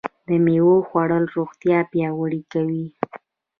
د مېوو خوړل روغتیا پیاوړې کوي.